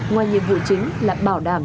ngoài nhiệm vụ chính là bảo đảm